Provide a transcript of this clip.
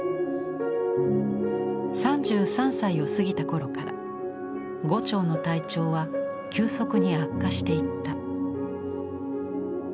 ３３歳を過ぎた頃から牛腸の体調は急速に悪化していった。